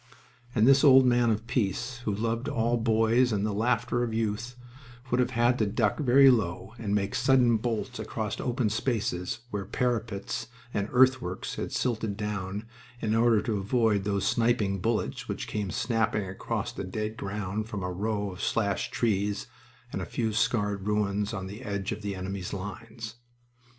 And this old man of peace, who loved all boys and the laughter of youth, would have had to duck very low and make sudden bolts across open spaces, where parapets and earthworks had silted down, in order to avoid those sniping bullets which came snapping across the dead ground from a row of slashed trees and a few scarred ruins on the edge of the enemy's lines.